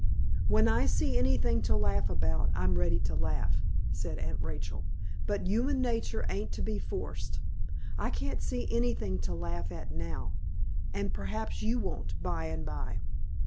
"When I see anything to laugh about, I'm ready to laugh," said Aunt Rachel; "but human nature ain't to be forced. I can't see anything to laugh at now, and perhaps you won't by and by."